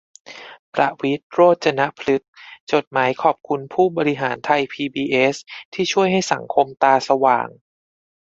ประวิตร โรจนพฤกษ์ จดหมายขอบคุณผู้บริหารไทยพีบีเอสที่ช่วยให้สังคมตาสว่าง